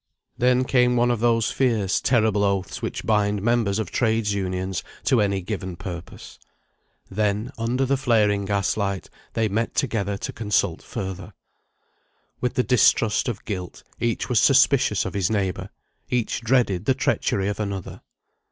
Then came one of those fierce terrible oaths which bind members of Trades' Unions to any given purpose. Then, under the flaring gaslight, they met together to consult further. With the distrust of guilt, each was suspicious of his neighbour; each dreaded the treachery of another.